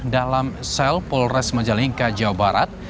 dalam sel polres majalengka jawa barat